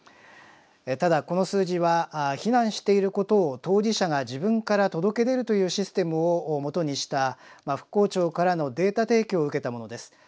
ただこの数字は避難していることを当事者が自分から届け出るというシステムをもとにした復興庁からのデータ提供を受けたものです。